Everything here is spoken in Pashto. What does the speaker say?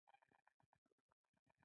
د پانګونې د نه شتون لامل څه دی؟